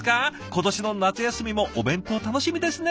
今年の夏休みもお弁当楽しみですね。